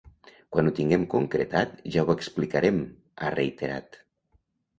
Quan ho tinguem concretat ja ho explicarem, ha reiterat.